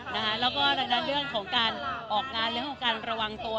แล้วก็ดังนั้นเรื่องของการออกงานเรื่องของการระวังตัว